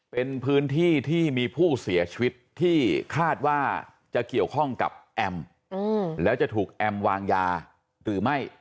เป็นพื้นที่ที่มีผู้เสียชีวิตที่คาดว่าจะเกี่ยวข้องกับแอมแล้วจะถูกแอมวางยาหรือไม่